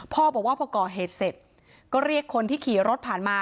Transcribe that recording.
พ่อบอกว่าพอก่อเหตุเสร็จก็เรียกคนที่ขี่รถผ่านมา